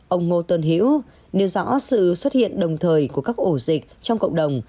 ông ngô tôn hiễu điều rõ sự xuất hiện đồng thời của các ổ dịch trong cộng đồng